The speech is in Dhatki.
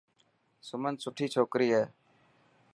سمن سٺي ڇوڪري هي.